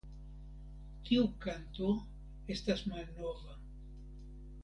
Tiu kanto estas malnova.